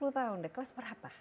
sepuluh tahun kelas berapa